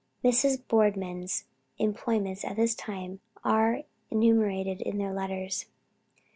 Mrs. Boardman's employments at this time are enumerated in their letters.